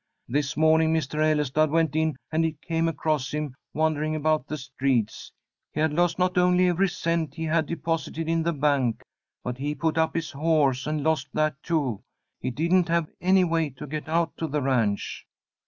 This morning Mr. Ellestad went in, and he came across him, wandering about the streets. He had lost not only every cent he had deposited in the bank, but he put up his horse, and lost that, too. He didn't have any way to get out to the ranch.